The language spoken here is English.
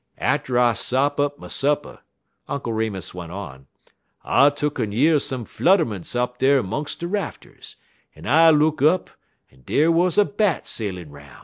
"Atter I sop up my supper," Uncle Remus went on, "I tuck'n year some flutterments up dar 'mungs de rafters, en I look up, en dar wuz a Bat sailin' 'roun'.